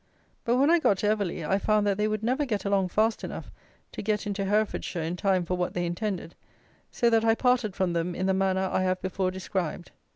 But, when I got to Everley, I found that they would never get along fast enough to get into Herefordshire in time for what they intended; so that I parted from them in the manner I have before described.